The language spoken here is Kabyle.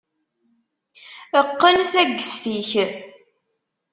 Qqen taggest-ik.